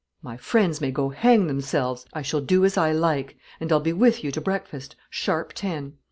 "My friends may go hang themselves. I shall do as I like, and I'll be with you to breakfast, sharp ten."